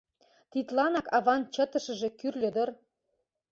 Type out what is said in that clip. Тидланак аван чытышыже кӱрльӧ дыр.